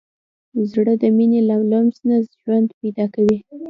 زړه د مینې له لمس نه ژوند پیدا کوي.